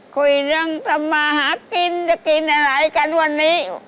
คุยเรื่องทำมาหากินจะกินอะไรกันวันนี้